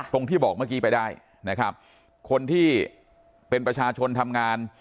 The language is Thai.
ที่บอกเมื่อกี้ไปได้นะครับคนที่เป็นประชาชนทำงาน